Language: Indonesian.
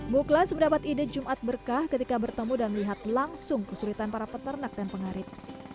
muklas mendapat ide jumat berkah ketika bertemu dan melihat langsung kesulitan para peternak dan pengarit